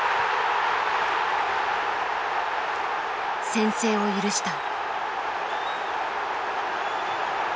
先制を許した。